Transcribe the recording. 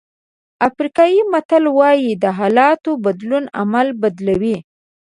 افریقایي متل وایي د حالاتو بدلون عمل بدلوي.